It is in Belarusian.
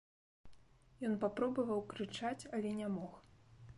Ён папробаваў крычаць, але не мог.